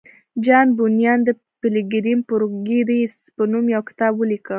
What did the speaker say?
جان بونیان د پیلګریم پروګریس په نوم یو کتاب ولیکه